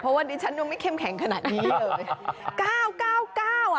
เพราะว่าดิฉันยังไม่เข้มแข็งขนาดนี้เลย